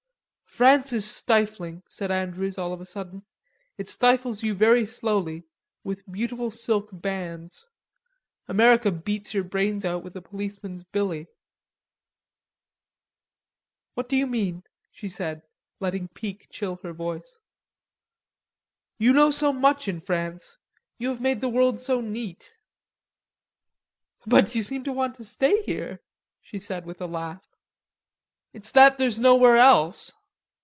"France is stifling," said Andrews, all of a sudden. "It stifles you very slowly, with beautiful silk bands.... America beats your brains out with a policeman's billy." "What do you mean?" she asked, letting pique chill her voice. "You know so much in France. You have made the world so neat...." "But you seem to want to stay here," she said with a laugh. "It's that there's nowhere else.